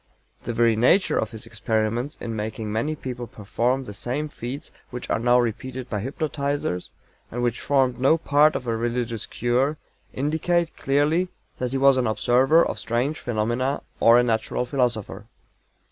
The very nature of his experiments in making many people perform the same feats which are now repeated by hypnotizers, and which formed no part of a religious cure, indicate clearly that he was an observer of strange phenomena or a natural philosopher.